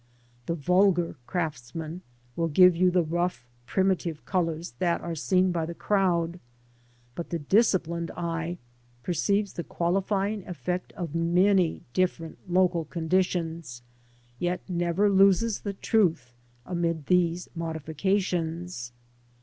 The vulgar craftsman will give you the rough, primitive colours that are seen by the crowd; but the disciplined eye perceives the qualifying effect of many different local conditions, yet never loses the truth amid these modifications.